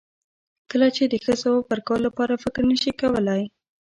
کله چې د ښه ځواب ورکولو لپاره فکر نشې کولای.